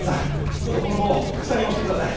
ちょっとこの棒を下に押して下さい。